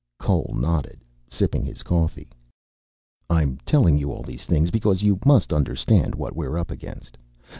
Cole nodded, sipping his coffee. "I'm telling you all these things because you must understand what we're up against.